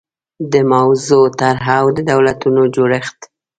د موضوع طرحه او د دولتونو جوړښت